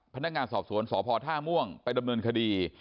พนักงานสอบสวนสพท่าม่วงไปดำเนินคดี